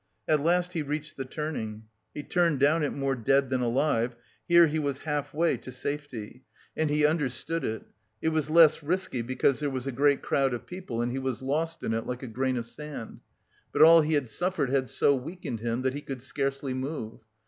At last he reached the turning. He turned down it more dead than alive. Here he was half way to safety, and he understood it; it was less risky because there was a great crowd of people, and he was lost in it like a grain of sand. But all he had suffered had so weakened him that he could scarcely move.